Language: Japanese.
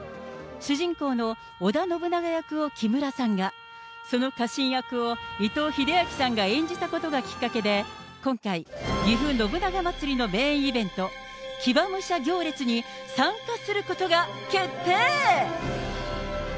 主人公の織田信長役を木村さんが、その家臣役を伊藤英明さんが演じたことがきっかけで、今回、ぎふ信長まつりのメインイベント、騎馬武者行列に参加することが決定。